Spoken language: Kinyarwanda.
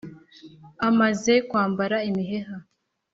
amaze kwambara imiheha